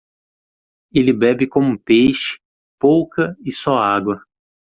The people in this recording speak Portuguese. Ele bebe como peixe, pouca e só água.